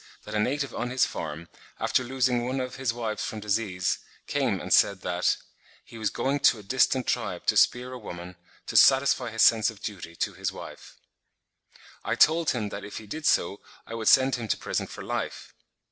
that a native on his farm, after losing one of his wives from disease, came and said that, "he was going to a distant tribe to spear a woman, to satisfy his sense of duty to his wife. I told him that if he did so, I would send him to prison for life.